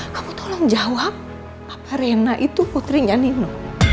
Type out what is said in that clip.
kamu tolong jawab apa rena itu putrinya nino